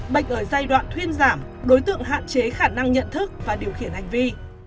bệnh ở giai đoạn thuyên giảm đối tượng hạn chế khả năng nhận thức và điều khiển hành vi